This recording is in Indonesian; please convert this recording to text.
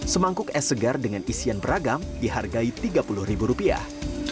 semangkuk es segar dengan isian beragam dihargai tiga puluh ribu rupiah